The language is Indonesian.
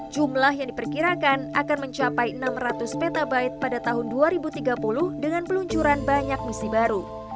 jumlah yang diperkirakan akan mencapai enam ratus petabite pada tahun dua ribu tiga puluh dengan peluncuran banyak misi baru